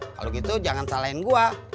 kalau gitu jangan salahin gue